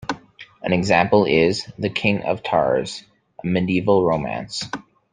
An example is in "The King of Tars", a medieval romance.